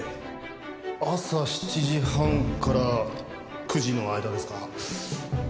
朝７時半から９時の間ですか？